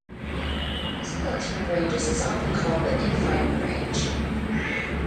This collection of ranges is often called the in-fighting range.